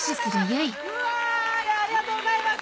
ありがとうございます！